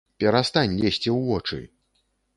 Перастань лезці ў вочы!